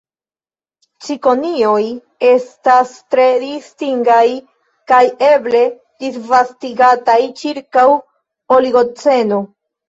Cikonioj estas tre distingaj kaj eble disvastigataj ĉirkaŭ Oligoceno.